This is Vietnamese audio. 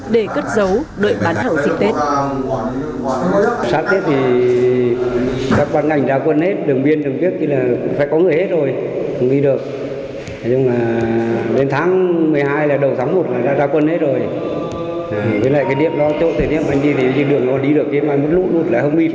để cất dấu đợi bán hàng dịch tết